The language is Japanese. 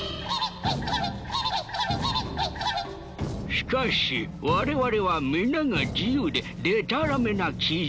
しかし我々は皆が自由ででたらめな奇獣。